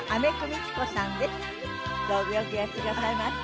どうぞよくいらしてくださいました。